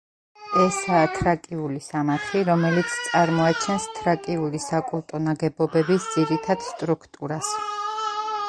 ესაა თრაკიული სამარხი, რომელიც წარმოაჩენს თრაკიული საკულტო ნაგებობების ძირითად სტრუქტურას.